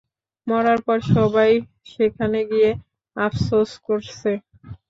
মরার পর সবাই সেখানে গিয়ে আপসোস করছে।